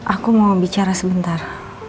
aku mau bicara sebentar